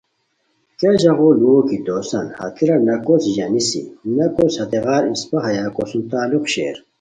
کیہ ژاغو ُلوؤکی دوسان ہتیرا نہ کوس ژانیسی نہ کوس ہتیغار اِسپہ ہیا کوسُم تعلق شیر